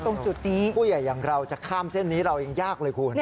ตรงจุดนี้ผู้ใหญ่อย่างเราจะข้ามเส้นนี้เราเองยากเลยคุณ